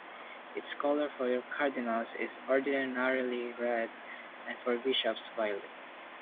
Its colour for cardinals is ordinarily red and for bishops violet.